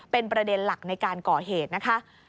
เป็นประเด็นหลักในการก่อเหตุนะคะ